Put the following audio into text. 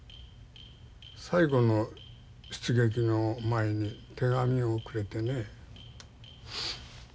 最後の出撃の前に手紙をくれてね。